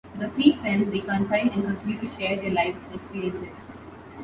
The three friends reconcile and continue to share their lives and experiences.